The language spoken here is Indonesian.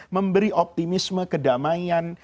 memberi optimisme kedamaian